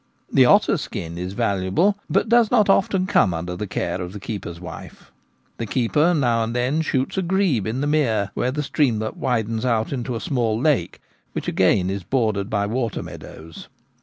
The otter skin is valuable, but does not often come under the care of the keeper's wife. The keeper now and then shoots a grebe in the mere where the streamlet widens out into a small lake, which again is bordered by water meadows.